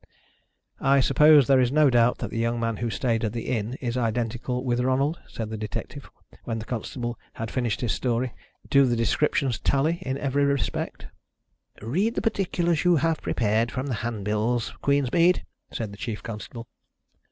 "I suppose there is no doubt that the young man who stayed at the inn is identical with Ronald," said the detective, when the constable had finished his story. "Do the descriptions tally in every respect?" "Read the particulars you have prepared for the hand bills, Queensmead," said the chief constable.